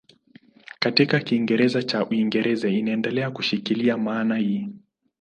Katika Kiingereza cha Uingereza inaendelea kushikilia maana hii.